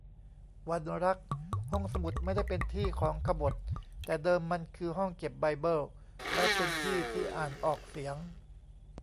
วันรัก : ห้องสมุดไม่ได้เป็นที่ของขบถ แต่เดิมมันคือห้องเก็บไบเบิ้ล และเป็นที่ที่อ่านออกเสียง